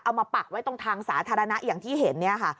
มาปักไว้ตรงทางสาธารณะอย่างที่เห็นเนี่ยค่ะ